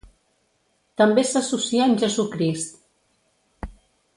També s'associa amb Jesucrist.